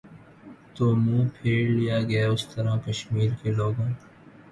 تو منہ پھیر لیا گیا اس طرح کشمیر کے لوگوں